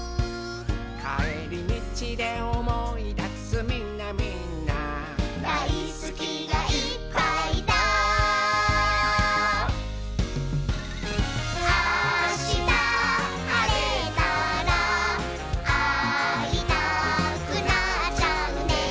「かえりみちでおもいだすみんなみんな」「だいすきがいっぱいだ」「あしたはれたらあいたくなっちゃうね」